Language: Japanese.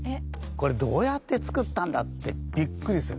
これどうやって作ったんだってびっくりする。